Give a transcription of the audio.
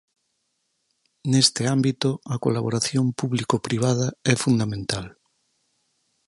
Neste ámbito a colaboración público-privada é fundamental.